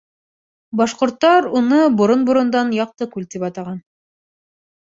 Башҡорттар уны борон-борондан Яҡтыкүл тип атаған.